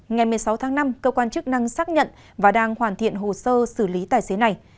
ngày một mươi sáu tháng năm cơ quan chức năng xác nhận và đang hoàn thiện hồ sơ xử lý tài xế này